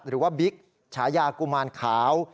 หรือว่าบิ๊กชายากุมารขาว